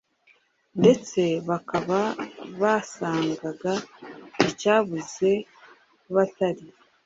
ndetse bakaba basangaga icyabuze batari